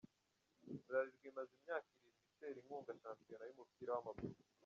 Bralirwa imaze imyaka irindiwi itera inkunga shampiyona y’umupira w’amaguru.